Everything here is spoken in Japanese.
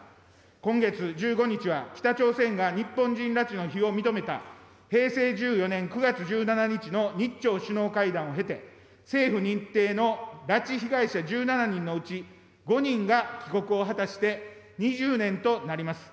今月１５日は北朝鮮が日本人拉致の非を認めた、平成１４年９月１７日の日朝首脳会談を経て、政府認定の拉致被害者１７人のうち、５人が帰国を果たして２０年となります。